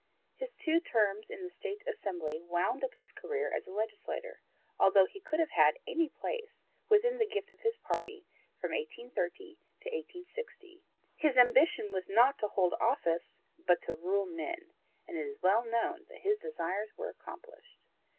His two terms in the State Assembly wound up his career as a legislator, although he could have had any place within the gift of his party from 1830 to 1860. His ambition was not to hold office but to rule men, and it is well known that his desires were accomplished.